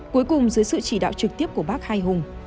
cuối cùng dưới sự chỉ đạo trực tiếp của bác hai hùng